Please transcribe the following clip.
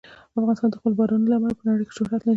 افغانستان د خپلو بارانونو له امله په نړۍ کې شهرت لري.